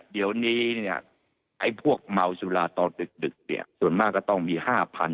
เดี๋ยวนี้เนี่ยไอ้พวกเมาสุราตอนดึกเนี่ยส่วนมากก็ต้องมี๕๐๐